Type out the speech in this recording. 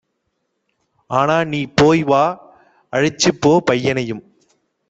ஆனாநீ போய்வா, அழைச்சிப்போ பையனையும்